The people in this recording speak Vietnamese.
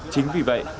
chính vì vậy